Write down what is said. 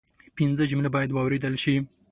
پنځه جملې باید واوریدل شي